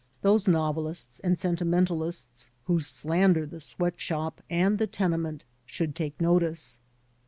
Those novelists and sentimental ists who slander the sweat shop and the tenement should take notice.